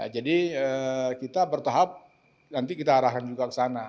jadi kita bertahap nanti kita arahkan juga ke sana